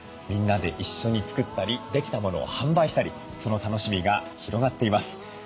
みんなで一緒に作ったりできた物を販売したりその楽しみが広がっています。